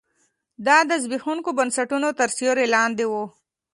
دا د زبېښونکو بنسټونو تر سیوري لاندې و.